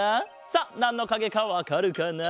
さあなんのかげかわかるかな？